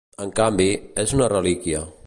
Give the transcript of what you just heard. En canvi, és una relíquia.